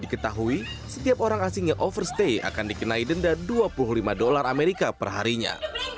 diketahui setiap orang asing yang overstay akan dikenai denda dua puluh lima dolar amerika perharinya